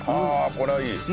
これはいい。